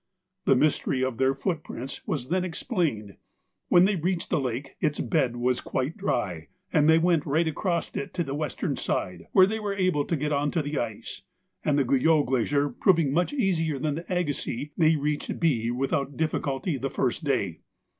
The mystery of their footprints was then explained. When they reached the lake its bed was quite dry, and they went right across it to the western side, where they were able to get on to the ice, and, the Guyot Glacier proving much easier than the Agassiz, they reached B without difficulty the first day.